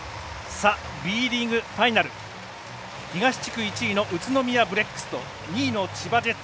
Ｂリーグファイナル東地区１位の宇都宮ブレックスと２位の千葉ジェッツ。